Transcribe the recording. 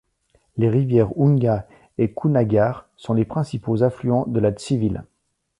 Les rivières Ounga et Kounagar sont les principaux affluents de la Tsivil.